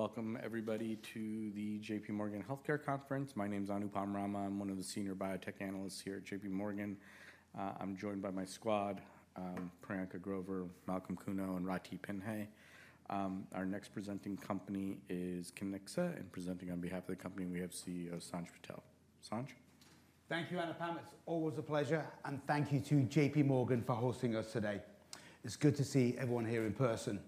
Welcome, everybody, to the JPMorgan Healthcare Conference. My name is Anupam Rama. I'm one of the Senior Biotech Analysts here at JPMorgan. I'm joined by my squad: Priyanka Grover, Malcolm Kuno, and Ritika Pai. Our next presenting company is Kiniksa, and presenting on behalf of the company, we have CEO Sanj Patel. Sanj? Thank you, Anupam. It's always a pleasure, and thank you to JPMorgan for hosting us today. It's good to see everyone here in person.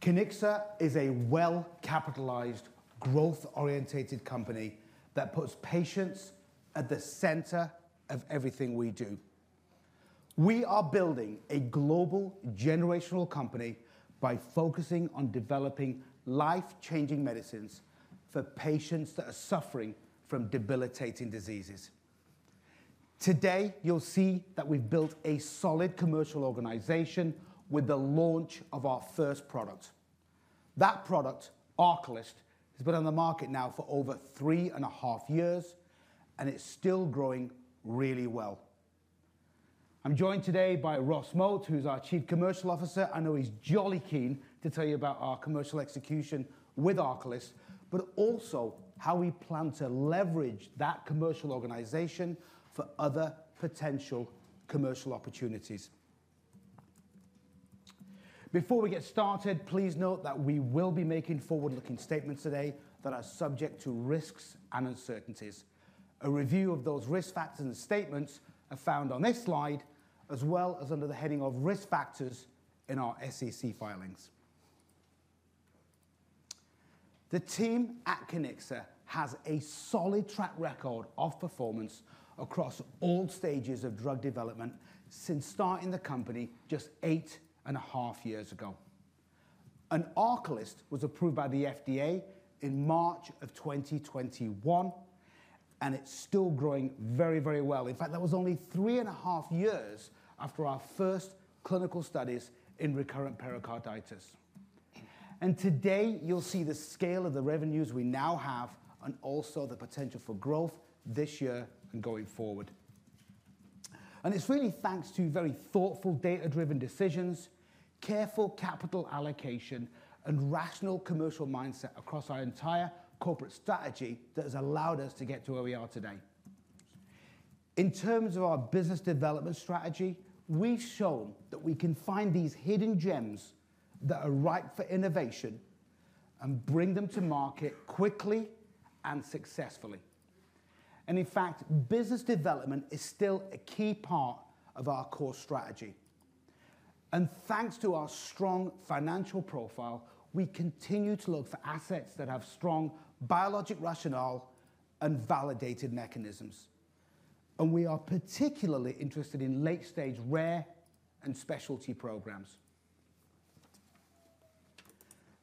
Kiniksa is a well-capitalized, growth-oriented company that puts patients at the center of everything we do. We are building a global generational company by focusing on developing life-changing medicines for patients that are suffering from debilitating diseases. Today, you'll see that we've built a solid commercial organization with the launch of our first product. That product, ARCALYST, has been on the market now for over three and a half years, and it's still growing really well. I'm joined today by Ross Moat, who's our Chief Commercial Officer. I know he's jolly keen to tell you about our commercial execution with ARCALYST, but also how we plan to leverage that commercial organization for other potential commercial opportunities. Before we get started, please note that we will be making forward-looking statements today that are subject to risks and uncertainties. A review of those risk factors and statements is found on this slide, as well as under the heading of risk factors in our SEC filings. The team at Kiniksa has a solid track record of performance across all stages of drug development since starting the company just eight and a half years ago, and ARCALYST was approved by the FDA in March of 2021, and it's still growing very, very well. In fact, that was only three and a half years after our first clinical studies in recurrent pericarditis, and today, you'll see the scale of the revenues we now have and also the potential for growth this year and going forward. And it's really thanks to very thoughtful, data-driven decisions, careful capital allocation, and rational commercial mindset across our entire corporate strategy that has allowed us to get to where we are today. In terms of our business development strategy, we've shown that we can find these hidden gems that are ripe for innovation and bring them to market quickly and successfully. And in fact, business development is still a key part of our core strategy. And thanks to our strong financial profile, we continue to look for assets that have strong biologic rationale and validated mechanisms. And we are particularly interested in late-stage rare and specialty programs.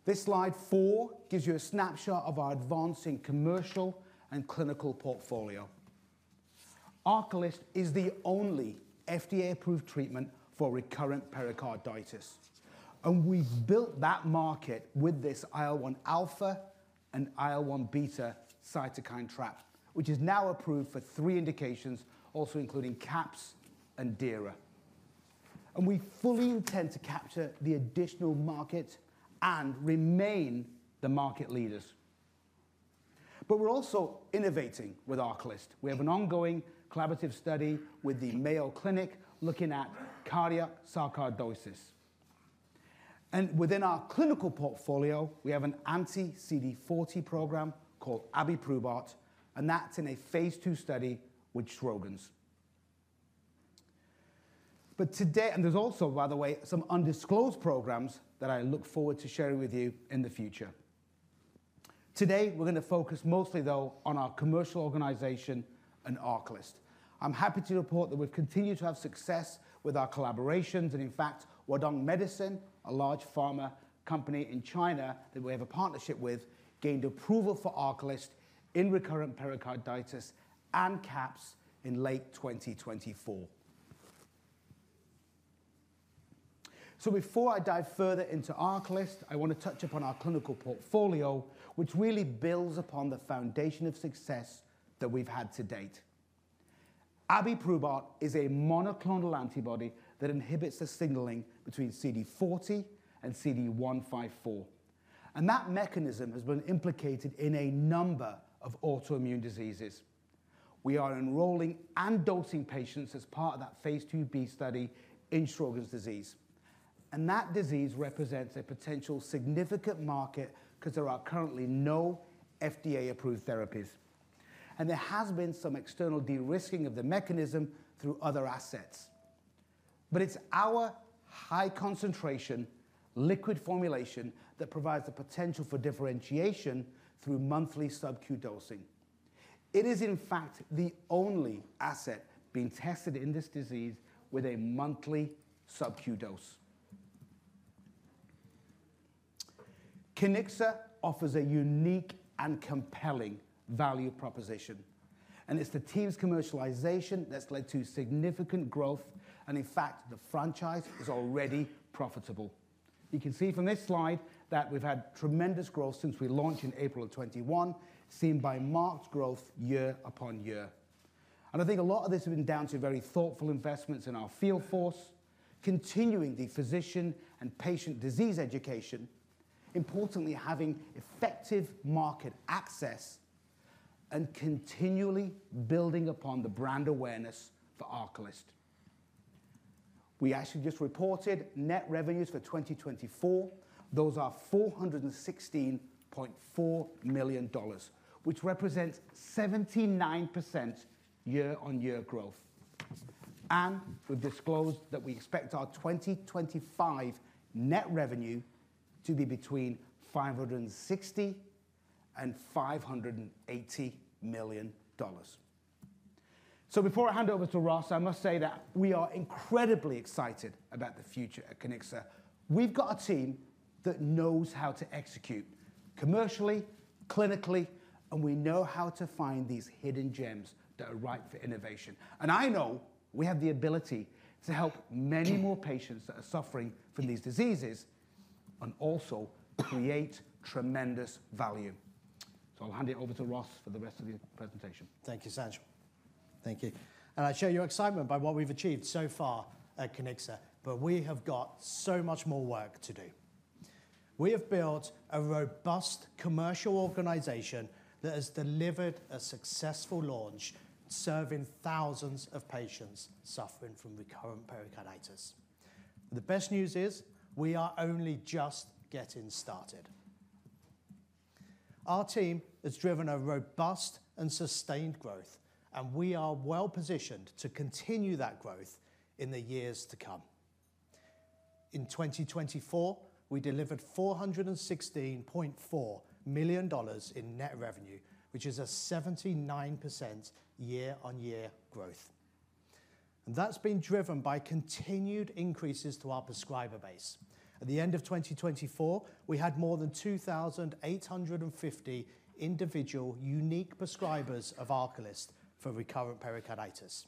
This slide four gives you a snapshot of our advancing commercial and clinical portfolio. ARCALYST is the only FDA-approved treatment for recurrent pericarditis. We've built that market with this IL-1 alpha and IL-1 beta cytokine trap, which is now approved for three indications, also including CAPS and DIRA. We fully intend to capture the additional market and remain the market leaders. We're also innovating with ARCALYST. We have an ongoing collaborative study with the Mayo Clinic looking at cardiac sarcoidosis. Within our clinical portfolio, we have an anti-CD40 program called abiprubart, and that's in a phase II study with Sjögren’s. There's also, by the way, some undisclosed programs that I look forward to sharing with you in the future. Today, we're going to focus mostly, though, on our commercial organization and ARCALYST. I'm happy to report that we've continued to have success with our collaborations. In fact, Huadong Medicine, a large pharma company in China that we have a partnership with, gained approval for ARCALYST in recurrent pericarditis and CAPS in late 2024. Before I dive further into ARCALYST, I want to touch upon our clinical portfolio, which really builds upon the foundation of success that we've had to date. Abiprubart is a monoclonal antibody that inhibits the signaling between CD40 and CD154. That mechanism has been implicated in a number of autoimmune diseases. We are enrolling and dosing patients as part of that phase 2b study in Sjögren’s disease. That disease represents a potential significant market because there are currently no FDA-approved therapies. There has been some external de-risking of the mechanism through other assets. But it's our high-concentration liquid formulation that provides the potential for differentiation through monthly sub-q dosing. It is, in fact, the only asset being tested in this disease with a monthly sub-q dose. Kiniksa offers a unique and compelling value proposition. And it's the team's commercialization that's led to significant growth. And in fact, the franchise is already profitable. You can see from this slide that we've had tremendous growth since we launched in April of 2021, seen by marked growth year upon year. And I think a lot of this has been down to very thoughtful investments in our field force, continuing the physician and patient disease education, importantly having effective market access, and continually building upon the brand awareness for ARCALYST. We actually just reported net revenues for 2024. Those are $416.4 million, which represents 79% year-on-year growth. And we've disclosed that we expect our 2025 net revenue to be between $560 million-$580 million. Before I hand over to Ross, I must say that we are incredibly excited about the future at Kiniksa. We've got a team that knows how to execute commercially, clinically, and we know how to find these hidden gems that are ripe for innovation. I know we have the ability to help many more patients that are suffering from these diseases and also create tremendous value. I'll hand it over to Ross for the rest of the presentation. Thank you, Sanj. Thank you. I share your excitement by what we've achieved so far at Kiniksa, but we have got so much more work to do. We have built a robust commercial organization that has delivered a successful launch serving thousands of patients suffering from recurrent pericarditis. The best news is we are only just getting started. Our team has driven a robust and sustained growth, and we are well positioned to continue that growth in the years to come. In 2024, we delivered $416.4 million in net revenue, which is a 79% year-on-year growth, and that's been driven by continued increases to our prescriber base. At the end of 2024, we had more than 2,850 individual unique prescribers of ARCALYST for recurrent pericarditis,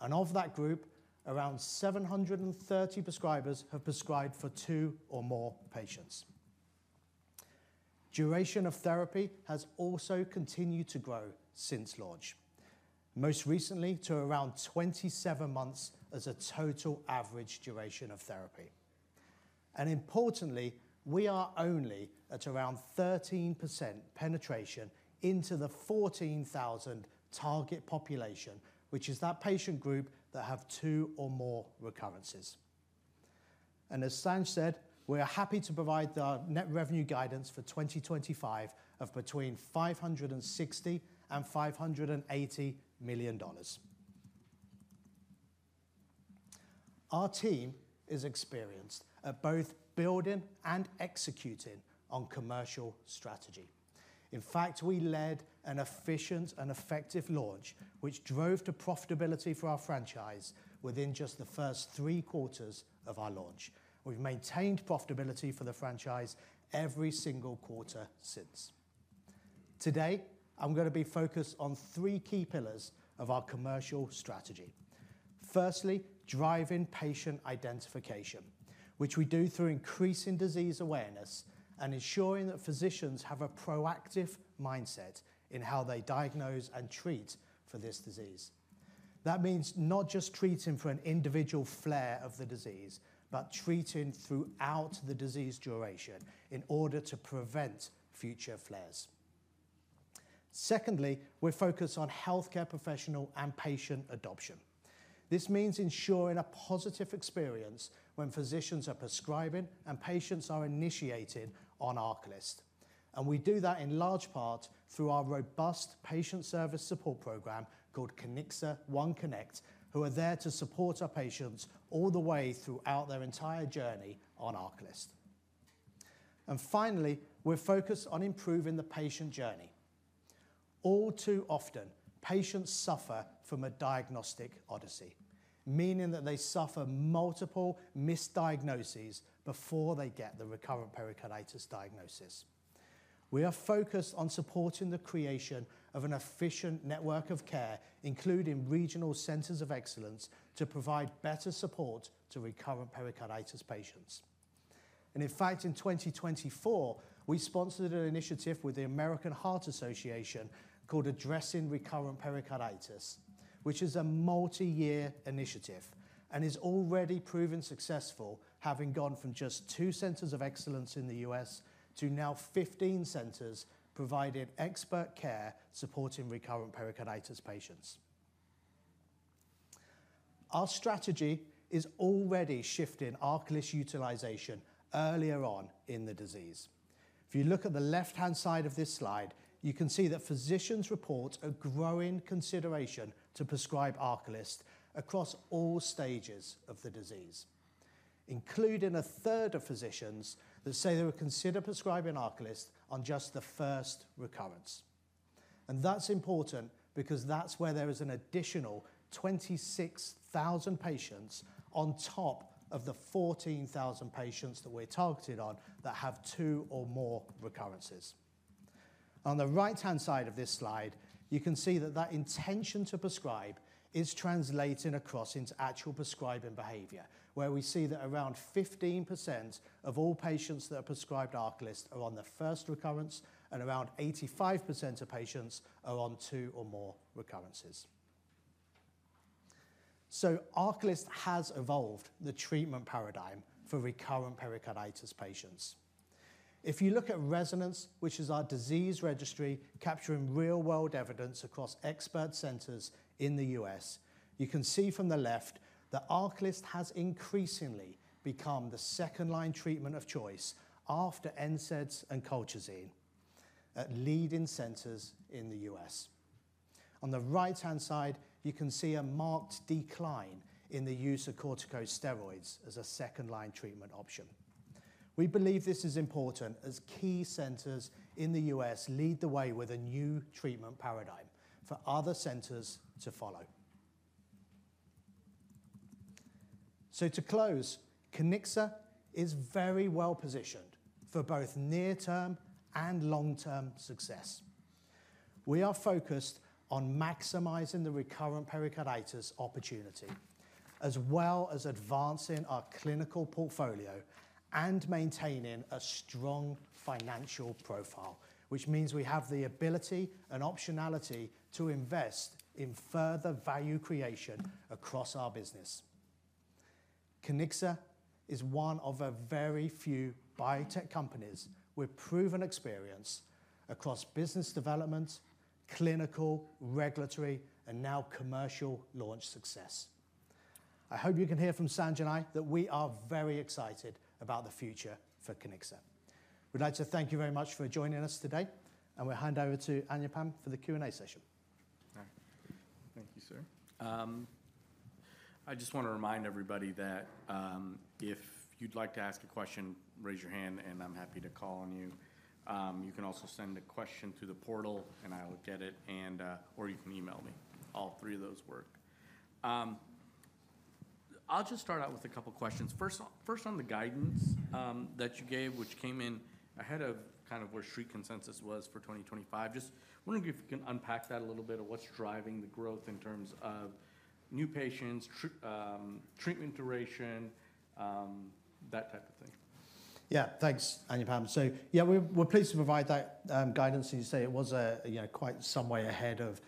and of that group, around 730 prescribers have prescribed for two or more patients. Duration of therapy has also continued to grow since launch, most recently to around 27 months as a total average duration of therapy, and importantly, we are only at around 13% penetration into the 14,000 target population, which is that patient group that have two or more recurrences, and as Sanj said, we are happy to provide the net revenue guidance for 2025 of between $560 million and $580 million. Our team is experienced at both building and executing on commercial strategy. In fact, we led an efficient and effective launch, which drove to profitability for our franchise within just the first three quarters of our launch. We've maintained profitability for the franchise every single quarter since. Today, I'm going to be focused on three key pillars of our commercial strategy. Firstly, driving patient identification, which we do through increasing disease awareness and ensuring that physicians have a proactive mindset in how they diagnose and treat for this disease. That means not just treating for an individual flare of the disease, but treating throughout the disease duration in order to prevent future flares. Secondly, we're focused on healthcare professional and patient adoption. This means ensuring a positive experience when physicians are prescribing and patients are initiated on ARCALYST. And we do that in large part through our robust patient service support program called Kiniksa OneConnect, who are there to support our patients all the way throughout their entire journey on ARCALYST. And finally, we're focused on improving the patient journey. All too often, patients suffer from a diagnostic odyssey, meaning that they suffer multiple misdiagnoses before they get the recurrent pericarditis diagnosis. We are focused on supporting the creation of an efficient network of care, including regional centers of excellence, to provide better support to recurrent pericarditis patients. And in fact, in 2024, we sponsored an initiative with the American Heart Association called Addressing Recurrent Pericarditis, which is a multi-year initiative and is already proven successful, having gone from just two centers of excellence in the U.S. to now 15 centers providing expert care supporting recurrent pericarditis patients. Our strategy is already shifting ARCALYST utilization earlier on in the disease. If you look at the left-hand side of this slide, you can see that physicians report a growing consideration to prescribe ARCALYST across all stages of the disease, including a third of physicians that say they would consider prescribing ARCALYST on just the first recurrence. That's important because that's where there is an additional 26,000 patients on top of the 14,000 patients that we're targeted on that have two or more recurrences. On the right-hand side of this slide, you can see that that intention to prescribe is translating across into actual prescribing behavior, where we see that around 15% of all patients that are prescribed ARCALYST are on the first recurrence, and around 85% of patients are on two or more recurrences. ARCALYST has evolved the treatment paradigm for recurrent pericarditis patients. If you look at RESONANCE, which is our disease registry capturing real-world evidence across expert centers in the U.S., you can see from the left that ARCALYST has increasingly become the second-line treatment of choice after NSAIDs and colchicine at leading centers in the U.S. On the right-hand side, you can see a marked decline in the use of corticosteroids as a second-line treatment option. We believe this is important as key centers in the U.S. lead the way with a new treatment paradigm for other centers to follow. So to close, Kiniksa is very well positioned for both near-term and long-term success. We are focused on maximizing the recurrent pericarditis opportunity, as well as advancing our clinical portfolio and maintaining a strong financial profile, which means we have the ability and optionality to invest in further value creation across our business. Kiniksa is one of a very few biotech companies with proven experience across business development, clinical, regulatory, and now commercial launch success. I hope you can hear from Sanj and I that we are very excited about the future for Kiniksa. We'd like to thank you very much for joining us today, and we'll hand over to Anupam for the Q&A session. Thank you, sir. I just want to remind everybody that if you'd like to ask a question, raise your hand, and I'm happy to call on you. You can also send a question to the portal, and I'll get it, or you can email me. All three of those work. I'll just start out with a couple of questions. First, on the guidance that you gave, which came in ahead of kind of where street consensus was for 2025, just wondering if you can unpack that a little bit of what's driving the growth in terms of new patients, treatment duration, that type of thing. Yeah, thanks, Anupam. So yeah, we're pleased to provide that guidance. As you say, it was quite some way ahead of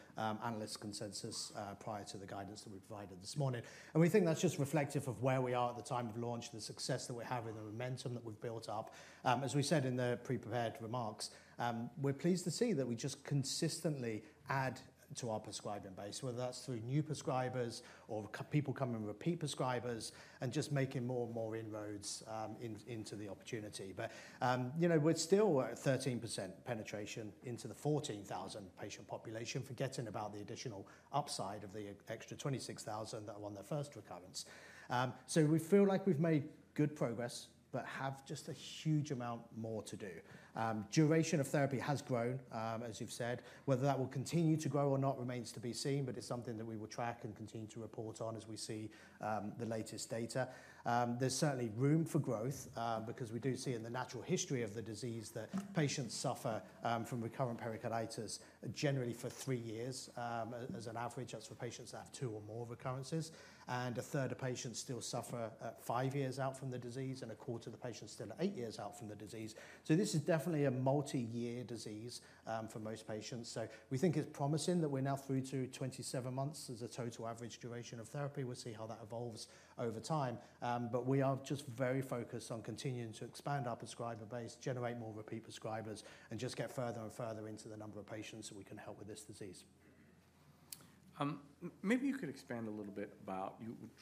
analyst consensus prior to the guidance that we provided this morning. And we think that's just reflective of where we are at the time of launch, the success that we're having, the momentum that we've built up. As we said in the pre-prepared remarks, we're pleased to see that we just consistently add to our prescribing base, whether that's through new prescribers or people coming with repeat prescribers and just making more and more inroads into the opportunity. But we're still at 13% penetration into the 14,000 patient population forgetting about the additional upside of the extra 26,000 patients that are on their first recurrence. So we feel like we've made good progress, but have just a huge amount more to do. Duration of therapy has grown, as you've said. Whether that will continue to grow or not remains to be seen, but it's something that we will track and continue to report on as we see the latest data. There's certainly room for growth because we do see in the natural history of the disease that patients suffer from recurrent pericarditis generally for three years as an average. That's for patients that have two or more recurrences, and a third of patients still suffer at five years out from the disease, and a quarter of the patients still at eight years out from the disease, so this is definitely a multi-year disease for most patients, so we think it's promising that we're now through to 27 months as a total average duration of therapy. We'll see how that evolves over time. We are just very focused on continuing to expand our prescriber base, generate more repeat prescribers, and just get further and further into the number of patients that we can help with this disease. Maybe you could expand a little bit about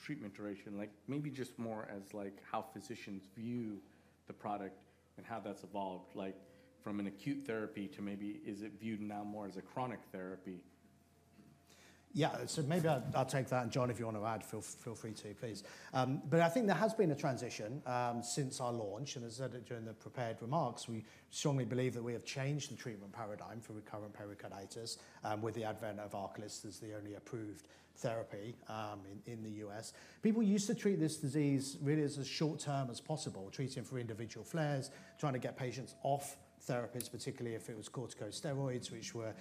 treatment duration, maybe just more as how physicians view the product and how that's evolved from an acute therapy to maybe is it viewed now more as a chronic therapy? Yeah, so maybe I'll take that. And John, if you want to add, feel free to, please. But I think there has been a transition since our launch. And as I said during the prepared remarks, we strongly believe that we have changed the treatment paradigm for recurrent pericarditis with the advent of ARCALYST as the only approved therapy in the U.S. People used to treat this disease really as short-term as possible, treating for individual flares, trying to get patients off therapies, particularly if it was corticosteroids, which were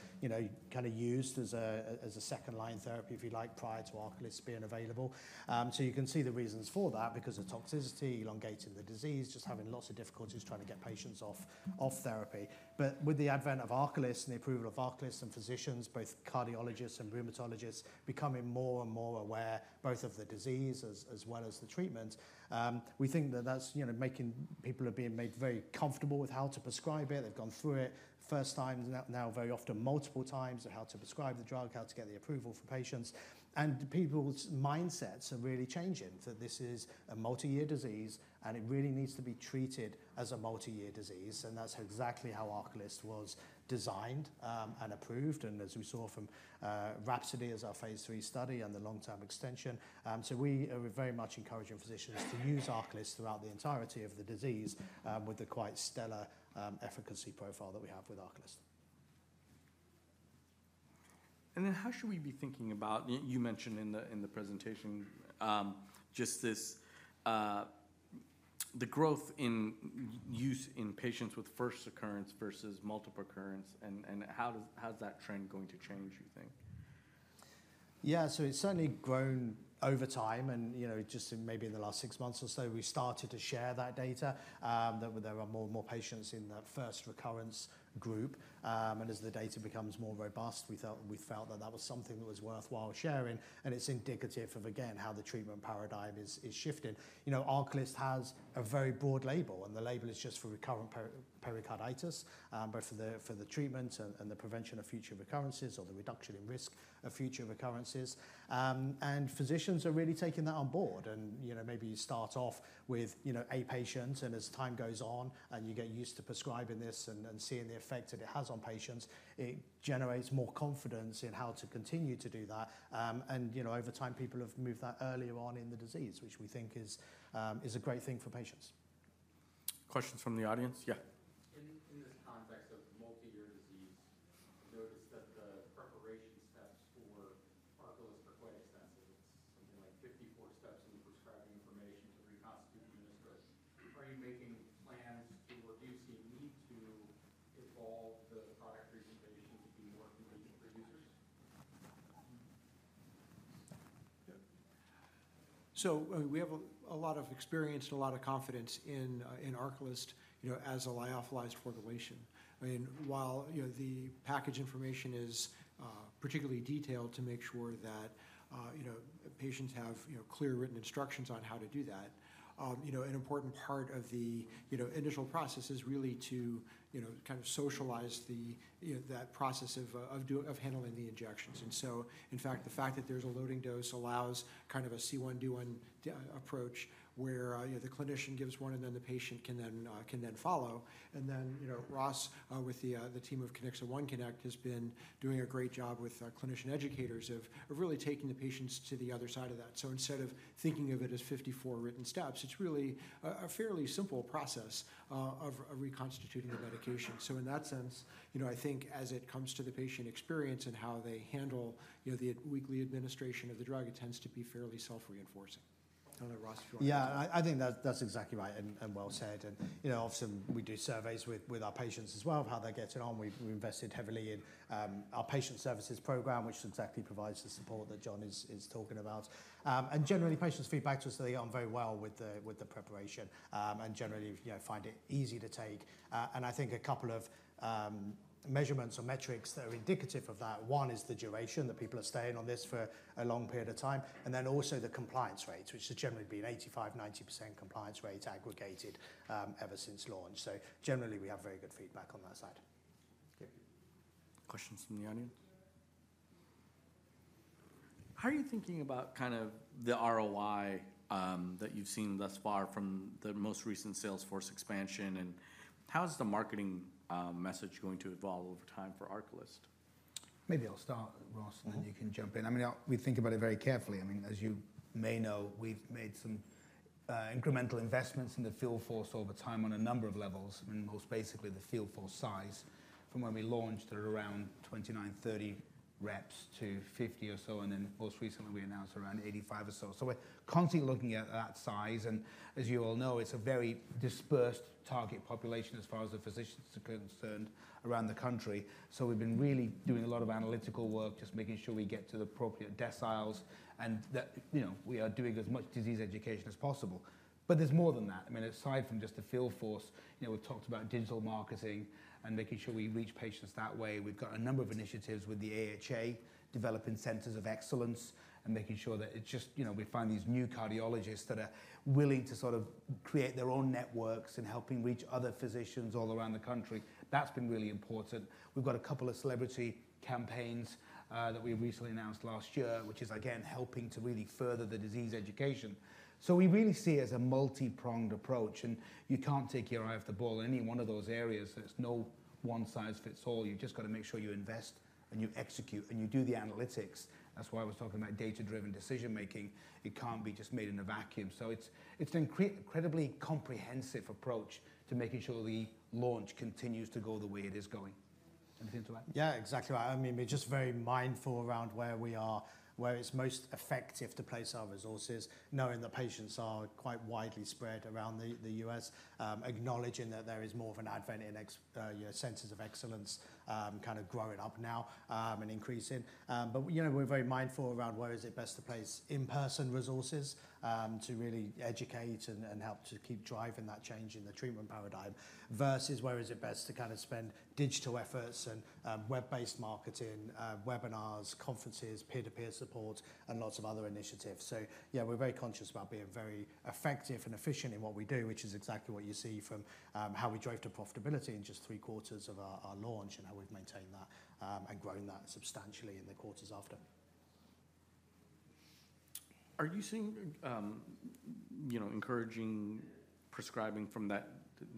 kind of used as a second-line therapy, if you like, prior to ARCALYST being available. So you can see the reasons for that because of toxicity, elongating the disease, just having lots of difficulties trying to get patients off therapy. But with the advent of ARCALYST and the approval of ARCALYST and physicians, both cardiologists and rheumatologists becoming more and more aware both of the disease as well as the treatment, we think that that's making people are being made very comfortable with how to prescribe it. They've gone through it first time, now very often multiple times, of how to prescribe the drug, how to get the approval for patients. And people's mindsets are really changing that this is a multi-year disease and it really needs to be treated as a multi-year disease. And that's exactly how ARCALYST was designed and approved. And as we saw from RHAPSODY as our phase III study and the long-term extension. So we are very much encouraging physicians to use ARCALYST throughout the entirety of the disease with the quite stellar efficacy profile that we have with ARCALYST. And then, how should we be thinking about, you mentioned in the presentation, just the growth in use in patients with first occurrence versus multiple occurrence and how's that trend going to change, you think? Yeah, so it's certainly grown over time. And just maybe in the last six months or so, we started to share that data, that there are more and more patients in that first recurrence group. And as the data becomes more robust, we felt that that was something that was worthwhile sharing. And it's indicative of, again, how the treatment paradigm is shifting. ARCALYST has a very broad label, and the label is just for recurrent pericarditis, both for the treatment and the prevention of future recurrences or the reduction in risk of future recurrences. And physicians are really taking that on board. And maybe you start off with a patient, and as time goes on and you get used to prescribing this and seeing the effect that it has on patients, it generates more confidence in how to continue to do that. Over time, people have moved that earlier on in the disease, which we think is a great thing for patients. Questions from the audience? an important part of the initial process is really to kind of socialize that process of handling the injections. And so, in fact, the fact that there's a loading dose allows kind of a C1, D1 approach where the clinician gives one and then the patient can then follow. And then Ross, with the team of Kiniksa OneConnect, has been doing a great job with clinician educators of really taking the patients to the other side of that. So instead of thinking of it as 54 written steps, it's really a fairly simple process of reconstituting the medication. So in that sense, I think as it comes to the patient experience and how they handle the weekly administration of the drug, it tends to be fairly self-reinforcing. I don't know, Ross, if you want to? Yeah, I think that's exactly right and well said. And often we do surveys with our patients as well of how they're getting on. We've invested heavily in our patient services program, which exactly provides the support that John is talking about. And generally, patients feedback to us that they get on very well with the preparation and generally find it easy to take. And I think a couple of measurements or metrics that are indicative of that. One is the duration that people are staying on this for a long period of time, and then also the compliance rates, which has generally been 85%-90% compliance rates aggregated ever since launch. So generally, we have very good feedback on that side. Questions from the audience? How are you thinking about kind of the ROI that you've seen thus far from the most recent sales force expansion, and how is the marketing message going to evolve over time for ARCALYST? Maybe I'll start, Ross, and then you can jump in. I mean, we think about it very carefully. I mean, as you may know, we've made some incremental investments in the field force over time on a number of levels. I mean, most basically the field force size from when we launched at around 29 reps, 30 reps to 50 reps or so, and then most recently we announced around 85 reps or so. So we're constantly looking at that size. And as you all know, it's a very dispersed target population as far as the physicians are concerned around the country. So we've been really doing a lot of analytical work, just making sure we get to the appropriate deciles and that we are doing as much disease education as possible. But there's more than that. I mean, aside from just the field force, we've talked about digital marketing and making sure we reach patients that way. We've got a number of initiatives with the AHA developing centers of excellence and making sure that it's just we find these new cardiologists that are willing to sort of create their own networks and helping reach other physicians all around the country. That's been really important. We've got a couple of celebrity campaigns that we recently announced last year, which is again helping to really further the disease education, so we really see it as a multi-pronged approach, and you can't take your eye off the ball in any one of those areas. There's no one-size-fits-all. You've just got to make sure you invest and you execute and you do the analytics. That's why I was talking about data-driven decision making. It can't be just made in a vacuum. So it's an incredibly comprehensive approach to making sure the launch continues to go the way it is going. Anything to that? Yeah, exactly right. I mean, we're just very mindful around where we are, where it's most effective to place our resources, knowing that patients are quite widely spread around the U.S., acknowledging that there is more of an advent in centers of excellence kind of growing up now and increasing. But we're very mindful around where is it best to place in-person resources to really educate and help to keep driving that change in the treatment paradigm versus where is it best to kind of spend digital efforts and web-based marketing, webinars, conferences, peer-to-peer support, and lots of other initiatives. So yeah, we're very conscious about being very effective and efficient in what we do, which is exactly what you see from how we drove to profitability in just three quarters of our launch and how we've maintained that and grown that substantially in the quarters after. Are you seeing encouraging prescribing from that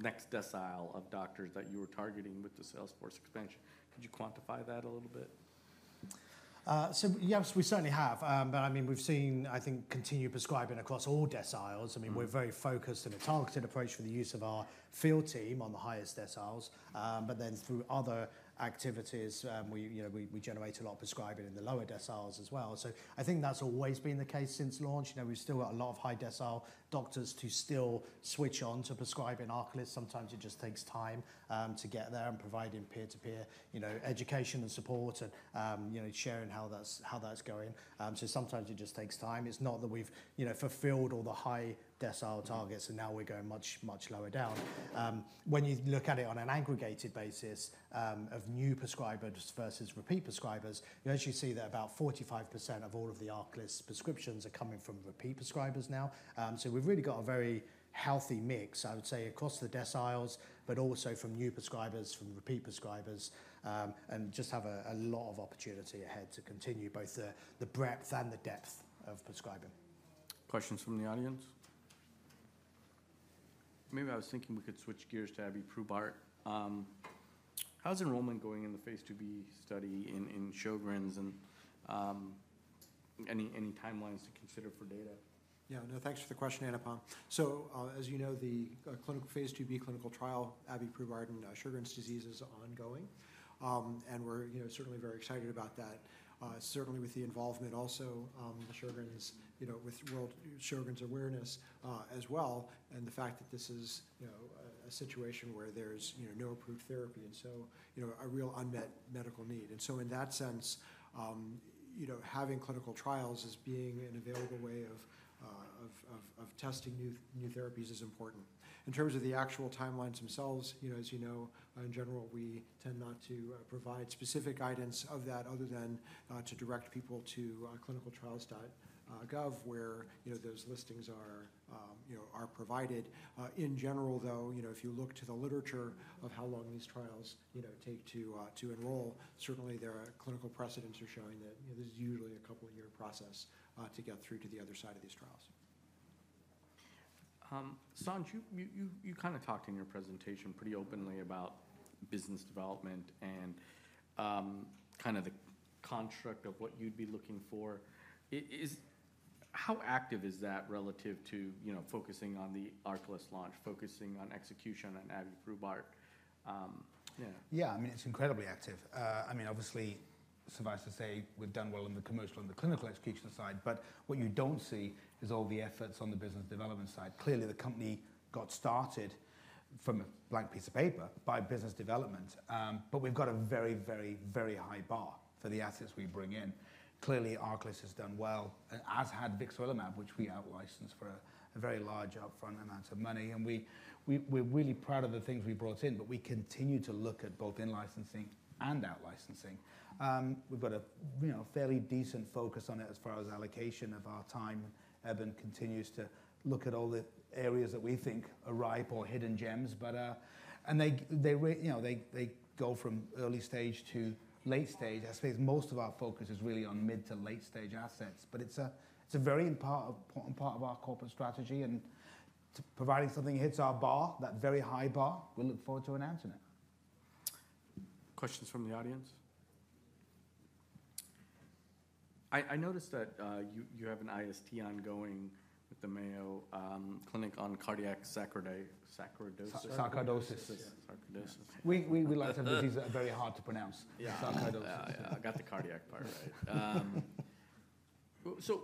next decile of doctors that you were targeting with the sales force expansion? Could you quantify that a little bit? Yes, we certainly have. But I mean, we've seen, I think, continued prescribing across all deciles. I mean, we're very focused in a targeted approach with the use of our field team on the highest deciles, but then through other activities, we generate a lot of prescribing in the lower deciles as well. I think that's always been the case since launch. We've still got a lot of high decile doctors to still switch on to prescribing ARCALYST. Sometimes it just takes time to get there and providing peer-to-peer education and support and sharing how that's going. Sometimes it just takes time. It's not that we've fulfilled all the high decile targets and now we're going much, much lower down. When you look at it on an aggregated basis of new prescribers versus repeat prescribers, you actually see that about 45% of all of the ARCALYST prescriptions are coming from repeat prescribers now. So we've really got a very healthy mix, I would say, across the deciles, but also from new prescribers, from repeat prescribers, and just have a lot of opportunity ahead to continue both the breadth and the depth of prescribing. Questions from the audience? Maybe I was thinking we could switch gears to abiprubart. How's enrollment going in the phase 2b study in Sjögren’s and any timelines to consider for data? Yeah, no, thanks for the question, Anupam. So as you know, the phase 2b clinical trial, abiprubart and Sjögren’s disease is ongoing, and we're certainly very excited about that, certainly with the involvement also with Sjögren’s awareness as well and the fact that this is a situation where there's no approved therapy and so a real unmet medical need. And so in that sense, having clinical trials as being an available way of testing new therapies is important. In terms of the actual timelines themselves, as you know, in general, we tend not to provide specific guidance of that other than to direct people to clinicaltrials.gov, where those listings are provided. In general, though, if you look to the literature of how long these trials take to enroll, certainly there are clinical precedents showing that this is usually a couple-year process to get through to the other side of these trials. Sanj, you kind of talked in your presentation pretty openly about business development and kind of the construct of what you'd be looking for. How active is that relative to focusing on the ARCALYST launch, focusing on execution on abiprubart? Yeah, I mean, it's incredibly active. I mean, obviously, suffice to say, we've done well on the commercial and the clinical execution side, but what you don't see is all the efforts on the business development side. Clearly, the company got started from a blank piece of paper by business development, but we've got a very, very, very high bar for the assets we bring in. Clearly, ARCALYST has done well and has had vixarelimab and abiprubart, which we outlicensed for a very large upfront amount of money. And we're really proud of the things we brought in, but we continue to look at both in-licensing and out-licensing. We've got a fairly decent focus on it as far as allocation of our time. Eben continues to look at all the areas that we think are ripe or hidden gems. And they go from early stage to late stage. I suppose most of our focus is really on mid to late stage assets, but it's a very important part of our corporate strategy, and providing something hits our bar, that very high bar, we'll look forward to announcing it. Questions from the audience? I noticed that you have an IST ongoing with the Mayo Clinic on cardiac sarcoidosis. Sarcoidosis. We like to have diseases that are very hard to pronounce. Yeah, I got the cardiac part right, so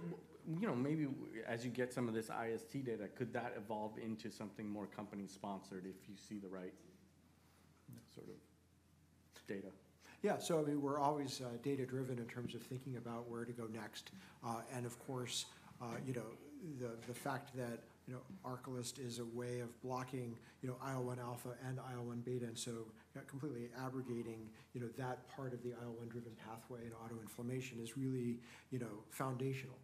maybe as you get some of this IST data, could that evolve into something more company-sponsored if you see the right sort of data? Yeah, so I mean, we're always data-driven in terms of thinking about where to go next, and of course, the fact that ARCALYST is a way of blocking IL-1 alpha and IL-1 beta and so completely abrogating that part of the IL-1 driven pathway and autoinflammation is really foundational,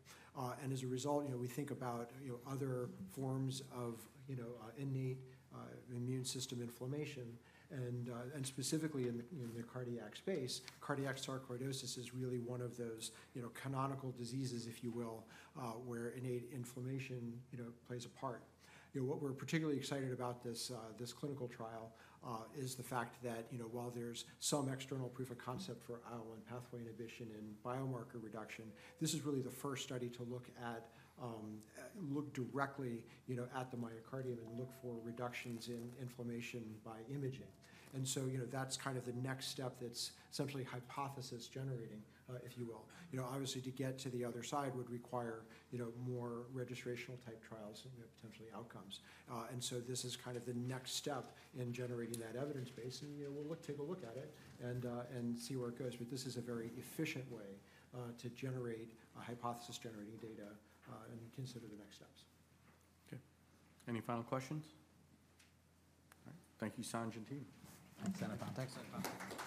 and as a result, we think about other forms of innate immune system inflammation, and specifically in the cardiac space, cardiac sarcoidosis is really one of those canonical diseases, if you will, where innate inflammation plays a part. What we're particularly excited about this clinical trial is the fact that while there's some external proof of concept for IL-1 pathway inhibition and biomarker reduction, this is really the first study to look directly at the myocardium and look for reductions in inflammation by imaging, and so that's kind of the next step that's essentially hypothesis generating, if you will. Obviously, to get to the other side would require more registrational type trials and potentially outcomes, and so this is kind of the next step in generating that evidence base, and we'll take a look at it and see where it goes, but this is a very efficient way to generate hypothesis-generating data and consider the next steps. Okay. Any final questions? All right. Thank you, Sanj Patel. Thanks, Anupam. Thanks.